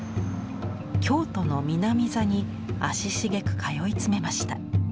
京都の南座に足しげく通い詰めました。